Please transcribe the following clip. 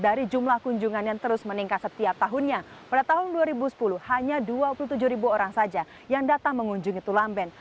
dari jumlah kunjungan yang terus meningkat setiap tahunnya pada tahun dua ribu sepuluh hanya dua puluh tujuh ribu orang saja yang datang mengunjungi tulamben